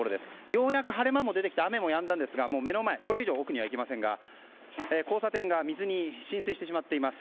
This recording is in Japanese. ようやく晴れ間も出てきて雨もやんだんですが、目の前の交差点が水に浸水してしまっています。